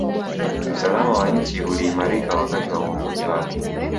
usalama wa nchi uliimarika wakati wa uongozi wake